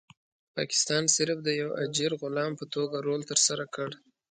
پاکستان صرف د یو اجیر غلام په توګه رول ترسره کړ.